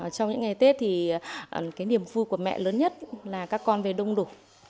trong những ngày tết thì cái niềm vui của mẹ lớn nhất là các con về đông đủ